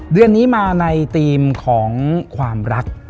เดือนนี้มาในธีมของความรัก